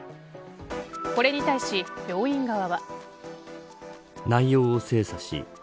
これに対し病院側は。